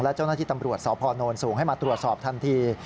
และเจ้าหน้าที่ตำรวจสพนสูงให้มาตรวจสอบทันที